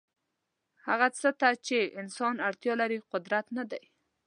هغه څه ته چې انسان اړتیا لري قدرت نه دی.